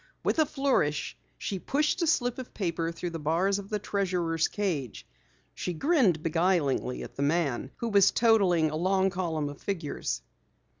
With a flourish, she pushed a slip of paper through the bars of the treasurer's cage. She grinned beguilingly at the man who was totaling a long column of figures.